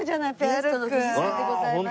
ゲストの藤さんでございます。